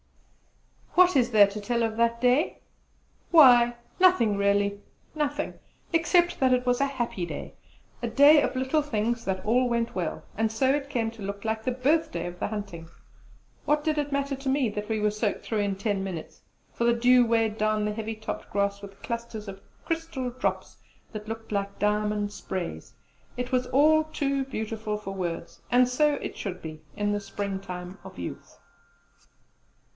What is there to tell of that day? Why! nothing, really nothing, except that it was a happy day a day of little things that all went well, and so it came to look like the birthday of the hunting. What did it matter to me that we were soaked through in ten minutes? for the dew weighed down the heavy topped grass with clusters of crystal drops that looked like diamond sprays. It was all too beautiful for words: and so it should be in the spring time of youth.